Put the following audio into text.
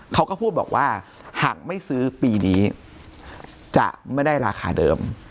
เขาก็พูดบอกว่าหากไม่ซื้อปีนี้จะไม่ได้ราคาเดิม